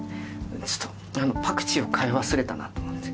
ちょっとあのパクチーを買い忘れたなと思って。